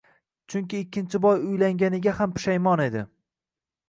Chunki ikkinchi bor uylanganiga ham pushaymon edi.